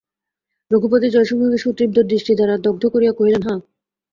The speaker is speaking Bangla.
রঘুপতি জয়সিংহকে সুতীব্র দৃষ্টিদ্বারা দগ্ধ করিয়া কহিলেন, হাঁ।